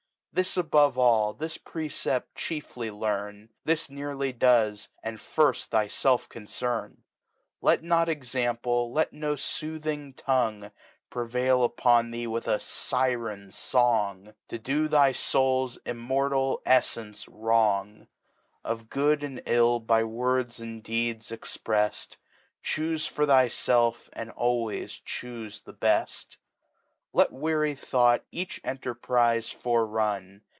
This above all, this Precept chiefly learn. This nearly does, and firft, thy felf concern; Iset not Example, let tio foothing Tongue, Prevail upon thee with a Sinn's Song, To do thy Soul's Immortal Eflence wrong. Of G6od and HI by Words or Deeds expreft, Xi^bofe fdr tHyfelf, and always choofe the beft. Let waiy Thought each Enterprise forerun.